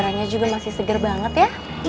rasanya juga masih segar banget ya